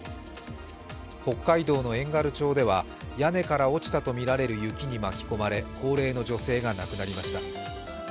北海道の遠軽町では屋根から落ちたとみられる雪に巻き込まれ高齢の女性が亡くなりました。